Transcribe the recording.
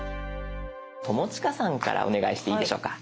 友近さんからお願いしていいでしょうか。